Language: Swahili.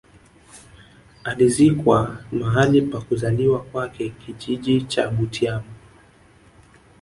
Alizikwa mahali pa kuzaliwa kwake kijiji cha Butiama